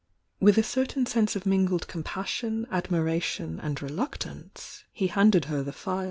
With a certain sense of mingled compassion, ad miration and reluctance, he handed her the phial.